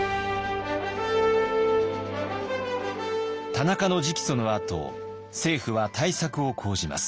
田中の直訴のあと政府は対策を講じます。